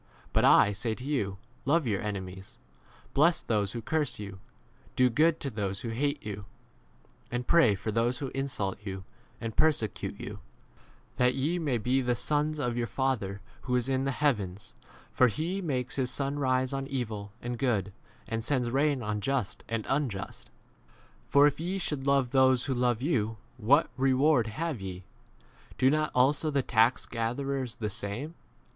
But I say to you, Love your enemies, [bless those who curse you, do good to those who hate you,]r and pray for those who insult 45 you and persecute you, that ye may be the sons of your Father who [is] in the heavens; for he makes his sun rise on evil and good, and sends rain on just and 40 unjust. For if ye should love those who love you, what reward have ye ? Do not also the tax 4 7 gatherers the same